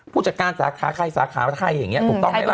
ผู้จัดการสาขาไข้แบบนี้ถูกต้องไหมละ